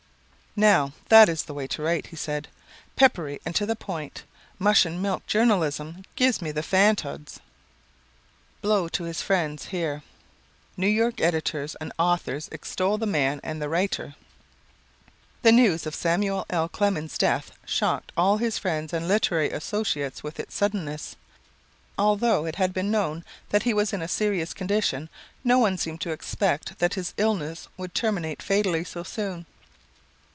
"Now, that is the way to write," he said, "peppery and to the point. Mush and milk journalism gives me the fantods." Blow to His Friends Here New York Editors and Authors Extol the Man and the Writer The news of Samuel L. Clemens death shocked all his friends and literary associates with its suddenness. Although it had been known that he was in a serious condition, no one seemed to expect that his illness would terminate fatally so soon.